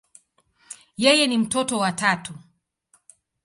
Yeye ni mtoto wa tatu.